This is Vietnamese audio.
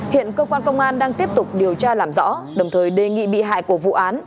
hiện cơ quan công an đang tiếp tục điều tra làm rõ đồng thời đề nghị bị hại của vụ án